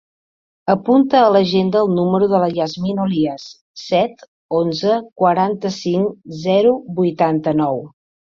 Apunta a l'agenda el número de la Yasmin Olias: set, onze, quaranta-cinc, zero, vuitanta-nou.